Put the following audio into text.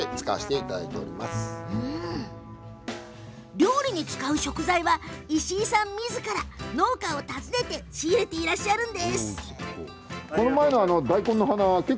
料理に使う食材は石井さん、みずから農家を訪ねて仕入れしていらっしゃるんです。